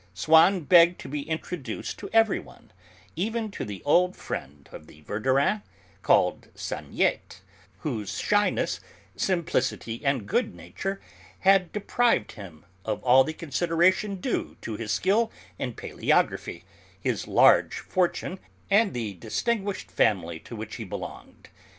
Swann begged to be introduced to everyone, even to an old friend of the Verdurins, called Saniette, whose shyness, simplicity and good nature had deprived him of all the consideration due to his skill in palaeography, his large fortune, and the distinguished family to which he belonged.